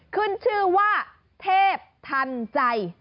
ขึ้นชื่อว่าเทพทันใจ